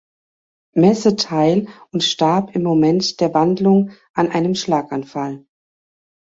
Messe teil und starb im Moment der Wandlung an einem Schlaganfall.